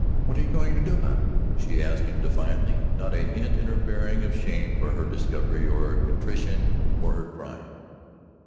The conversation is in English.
"What are you going to do about it?" she asked him defiantly, not a hint in her bearing of shame for her discovery, or contrition for her crime.